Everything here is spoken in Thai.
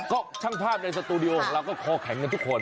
ก็ช่างภาพในสตูดิโอของเราก็คอแข็งกันทุกคน